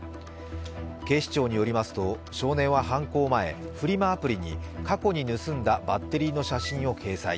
警視庁によりますと少年は犯行前、フリマアプリに過去に盗んだバッテリーの写真を掲載。